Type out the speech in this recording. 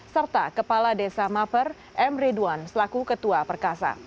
serta kepala desa maper m ridwan selaku ketua perkasa